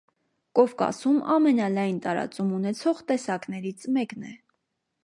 Կովկասում ամենալայն տարածում ունեցող տեսակներից մեկն է։